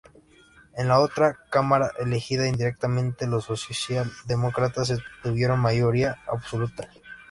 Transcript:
En la otra Cámara elegida indirectamente, los socialdemócratas obtuvieron mayoría absoluta.